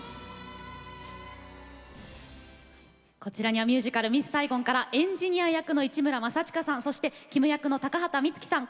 こちらにはミュージカル「ミス・サイゴン」からエンジニア役の市村正親さんキム役の高畑充希さん